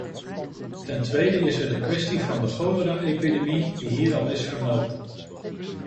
Ten tweede is er de kwestie van de cholera-epidemie, die hier al is vermeld.